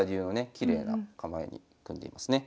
きれいな構えに組んでいますね。